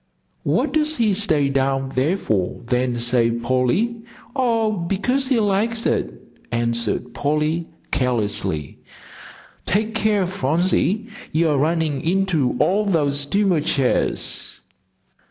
"What does he stay down there for, then, say, Polly?" "Oh, because he likes it," answered Polly, carelessly. "Take care, Phronsie, you're running into all those steamer chairs."